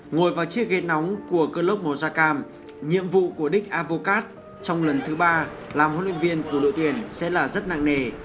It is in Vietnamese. ngồi vào chiếc ghế nóng của club mozakam nhiệm vụ của dick advocat trong lần thứ ba làm huấn luyện viên của đội tuyển sẽ là rất nặng nề